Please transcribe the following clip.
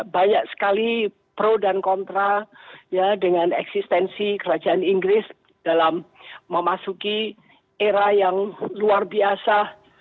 banyak sekali pro dan kontra dengan eksistensi kerajaan inggris dalam memasuki era yang luar biasa